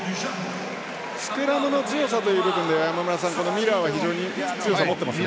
スクラムの強さという部分で山村さんミラーは非常に強さを持ってますね。